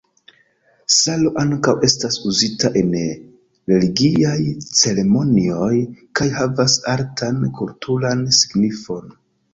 Salo ankaŭ estas uzita en religiaj ceremonioj kaj havas altan kulturan signifon.